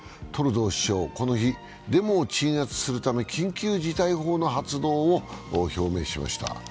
トルドー首相、この日、デモを鎮圧するため緊急事態法の発動を表明しました。